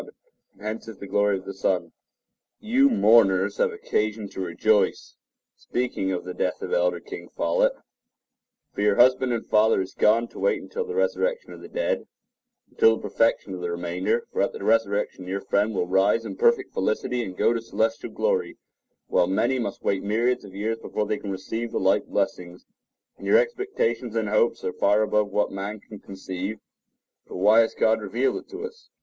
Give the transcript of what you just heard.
And hence is the glory of the sun. Righteous Mourners Rejoice[edit] You mourners have occasion to rejoice, speaking of the death of Elder King Follett; for your husband and father is gone to wait until the resurrection of the dead—until the perfection of the remainder; for at the resurrection your friend will rise in perfect felicity and go to celestial glory, while many must wait myriads of years before they can receive the like blessings; and your expectations and hopes are far above what man can conceive; for why has God revealed it to us?